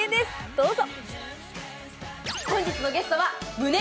どうぞ。